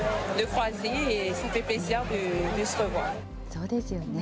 そうですよね。